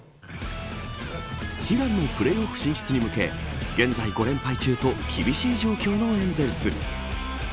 悲願のプレーオフ進出に向け現在５連敗中と厳しい状況のエンゼルス。